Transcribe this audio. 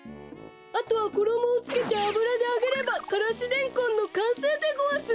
あとはころもをつけてあぶらであげればからしレンコンのかんせいでごわす！